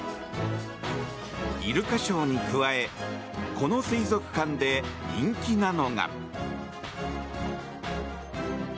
イルカショーに加えこの水族館で人気なのが。